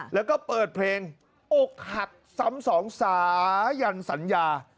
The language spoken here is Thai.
แล้วก็เปิดเพลงอกหักซ้ำสองสายันสัญญา